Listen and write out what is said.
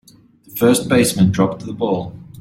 The first baseman dropped the ball.